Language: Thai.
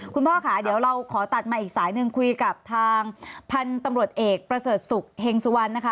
คุณพ่อค่ะเดี๋ยวเราขอตัดมาอีกสายหนึ่งคุยกับทางพันธุ์ตำรวจเอกประเสริฐศุกร์เฮงสุวรรณนะคะ